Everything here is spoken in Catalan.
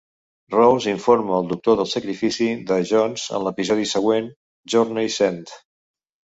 Rose informa el Doctor del sacrifici de Jones en l'episodi següent, "Journey's End".